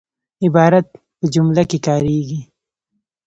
عبارت په جمله کښي کاریږي.